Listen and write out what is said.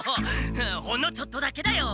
ほんのちょっとだけだよ！